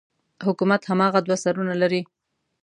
حکومت هماغه دوه سرونه لري.